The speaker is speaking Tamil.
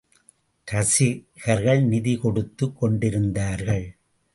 ரசிகர்கள் நிதி கொடுத்துக் கொண்டிருந்தார்கள்.